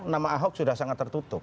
nama ahok sudah sangat tertutup